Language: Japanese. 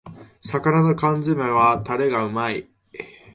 魚の缶詰めはタレがうまい